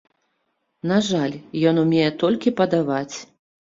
На жаль, ён умее толькі падаваць.